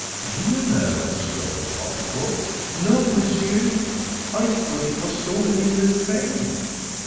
"Do you know who stole the pocket book?" "No, monsieur. I thought it was stolen in the train."